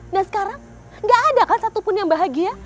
dan sekarang gak ada kan satupun yang bahagia